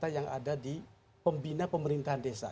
ada data yang ada di pembina pemerintahan desa